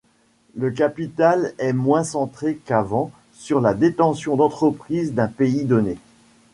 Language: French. Le capital est moins centré qu'avant sur la détention d'entreprise d'un pays donné.